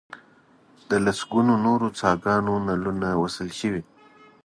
د لسګونو نورو څاګانو نلونه وصل شوي.